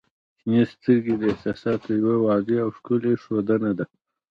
• شنې سترګې د احساساتو یوه واضح او ښکلی ښودنه ده.